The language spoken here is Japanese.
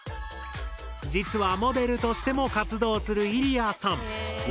実はモデルとしても活動するイリヤさん。